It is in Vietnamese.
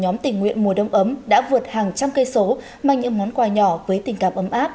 nhóm tình nguyện mùa đông ấm đã vượt hàng trăm cây số mang những món quà nhỏ với tình cảm ấm áp